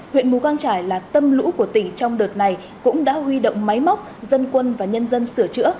huyện mù căng trải là tâm lũ của tỉnh trong đợt này cũng đã huy động máy móc dân quân và nhân dân sửa chữa